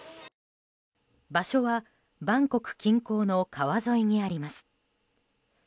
場所はバンコク近郊の川沿いにあります。